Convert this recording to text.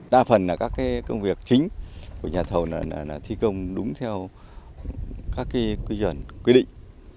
đa phần là các công việc chính của nhà thầu thi công đúng theo các quy chuẩn quy định